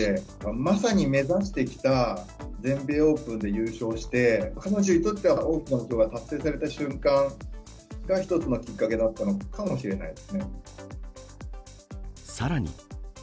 まさに目指してきた全米オープンで優勝して、彼女にとっては大きな目標が達成された瞬間が、一つのきっかけださらに。